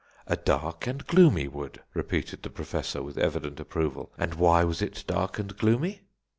"A dark and gloomy wood," repeated the Professor, with evident approval. "And why was it dark and gloomy?"